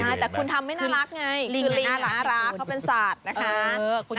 ใช่แต่คุณทำไม่น่ารักไงคือลีนน่ารักเขาเป็นสัตว์นะคะ